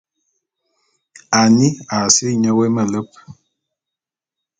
Annie a sili nyele wé meleb.